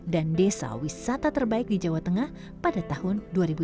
dan desa wisata terbaik di jawa tengah pada tahun dua ribu tujuh belas